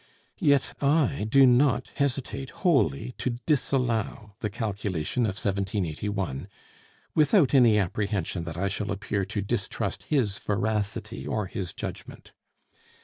Yet I do not hesitate wholly to disallow the calculation of 1781, without any apprehension that I shall appear to distrust his veracity or his judgment.